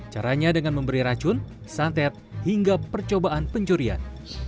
caranya dengan memberi racun santet hingga percobaan pencurian